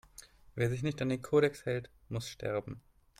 Wer sich nicht an den Kodex hält, muss sterben!